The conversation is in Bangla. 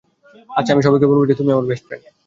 আচ্ছা, আমি সবাইকে বলবো যে, তুমিই আমার বেস্ট ফ্রেন্ড।